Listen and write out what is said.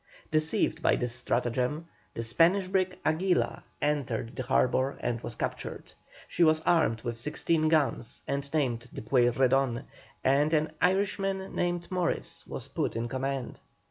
Deceived by this stratagem, the Spanish brig Aguila entered the harbour and was captured. She was armed with 16 guns and named the Pueyrredon, and an Irishman named Morris was put in command.